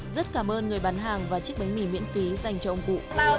rất cảm ơn người bán hàng và chiếc bánh mì miễn phí dành cho ông cụ